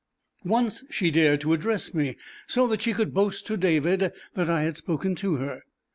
Once she dared to address me, so that she could boast to David that I had spoken to her.